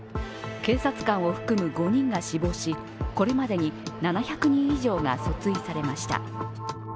警察官を含む５人が死亡し、これまでに７００人以上が訴追されました。